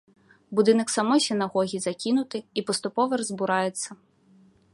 Будынак самой сінагогі закінуты і паступова разбураецца.